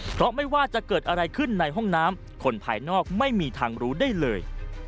เพราะไม่ว่าจะเกิดอะไรขึ้นในห้องน้ำคนภายนอกไม่มีทางรู้ได้เลย